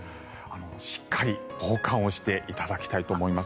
しっかり防寒をしていただきたいと思います。